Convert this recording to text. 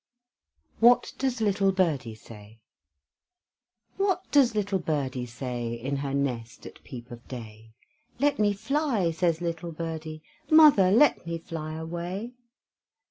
WHAT DOES LITTLE BIRDIE SAY? What does little birdie say, In her nest at peep of day? "Let me fly," says little birdie, "Mother, let me fly away."